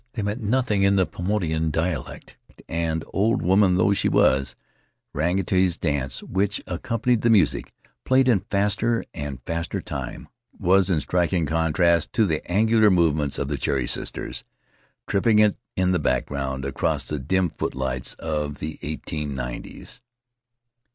They meant nothing in the Paumotuan dialect; and — old woman though she was — Rangituki's dance, which accom panied the music, played in faster and faster time, was in striking contrast to the angular movements of the Cherry Sisters, tripping it in the background, across the dim footlights of the eighteen nineties.